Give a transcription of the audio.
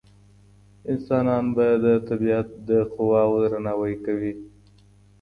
انسانان به د طبيعت د قواوو درناوی کوي.